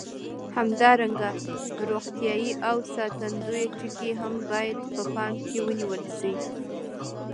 همدارنګه روغتیایي او ساتندوي ټکي هم باید په پام کې ونیول شي.